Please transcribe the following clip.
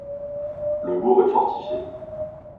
Le bourg est fortifié.